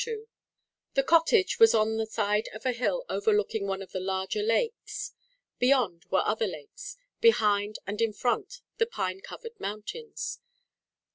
II The cottage was on the side of a hill over looking one of the larger lakes. Beyond were other lakes, behind and in front the pine covered mountains.